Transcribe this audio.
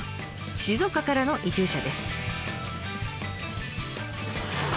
静岡からの移住者です。